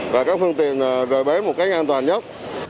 và các phương tiện rời bến một cách an toàn nhất